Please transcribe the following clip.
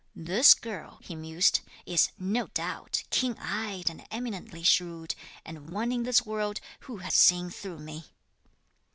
"This girl," he mused, "is, no doubt, keen eyed and eminently shrewd, and one in this world who has seen through me."